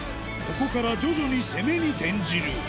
ここから徐々に攻めに転じる